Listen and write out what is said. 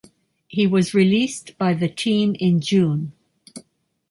He was released by the team in June.